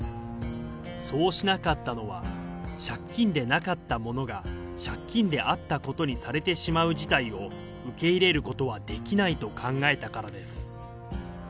そうしなかったのは、借金でなかったものが借金であったことにされてしまう事態を、受け入れることはできないと考えたからです。